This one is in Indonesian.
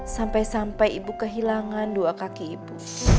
sampai sampai ibu kehilangan dua kaki ibu